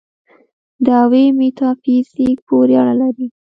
دعوې میتافیزیک پورې اړه لري.